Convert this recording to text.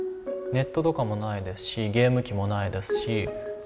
ネットとかもないですしゲーム機もないですし。